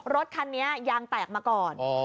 รถคันนี้ยางแตกมาก่อน